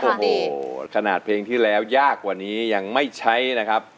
โอ้โหขนาดเพลงที่แล้วยากกว่านี้ยังไม่ใช้นะครับ